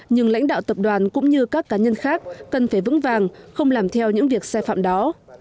nhưng lãnh đạo tập đoàn cũng như các cá nhân khác cần phải vững vàng không làm theo những việc sai phạm đó